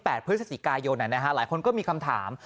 พฤศจิกายนหลายคนก็มีคำถาม